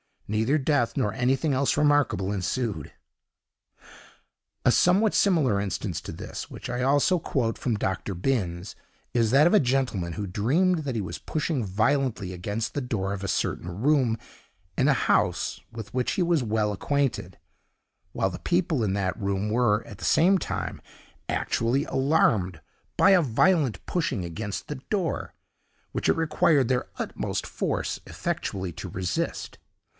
Neither death nor anything else remarkable ensued. A somewhat similar instance to this, which I also quote from Dr. Binns, is that of a gentleman who dreamed that he was pushing violently against the door of a certain room, in a house with which he was well acquainted; while the people in that room were, at the same time, actually alarmed by a violent pushing against the door, which it required their utmost force effectually to resist.